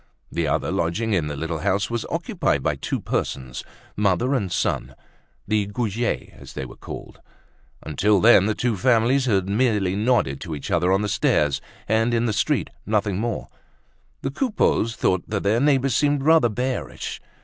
The other lodging in the little house was occupied by two persons, mother and son, the Goujets as they were called. Until then the two families had merely nodded to each other on the stairs and in the street, nothing more; the Coupeaus thought their neighbors seemed rather bearish.